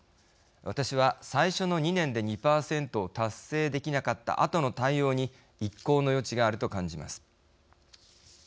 私は最初の２年で２％を達成できなかったあとの対応に一考の余地があると感じます。